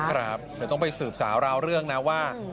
เดี๋ยวต้องไปสืบสาวราวเรื่องนะว่า